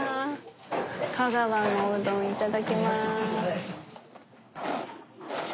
香川のうどんいただきます。